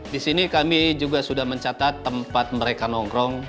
disini kami juga sudah mencatat tempat mereka nongkrong